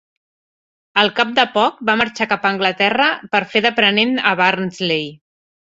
Al cap de poc, va marxar cap a Anglaterra per fer d'aprenent a Barnsley.